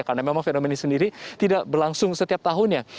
karena memang fenomena sendiri tidak berlangsung setiap tahunnya